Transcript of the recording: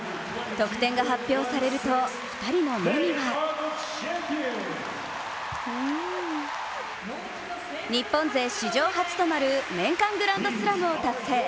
得点が発表されると、２人の目には日本勢史上初となる年間グランドスラムを達成。